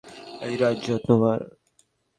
এই রাজ্য তোমার?